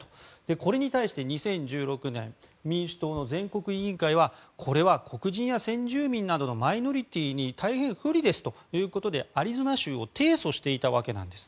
これに対して２０１６年民主党の全国委員会はこれは黒人や先住民などのマイノリティーに大変不利ですということでアリゾナ州を提訴していたわけです。